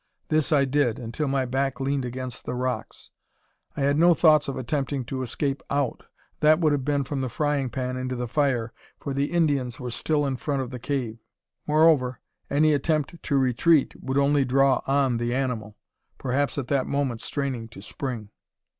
This I did, until my back leaned against the rocks. I had no thoughts of attempting to escape out. That would have been from the frying pan into the fire, for the Indians were still in front of the cave. Moreover, any attempt to retreat would only draw on the animal, perhaps at that moment straining to spring.